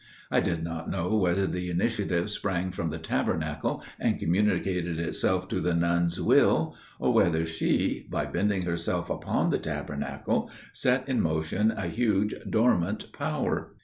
I did not know whether the initiative sprang from the Tabernacle and communicated itself to the nun's will; or whether she, by bending herself upon the Tabernacle, set in motion a huge dormant power.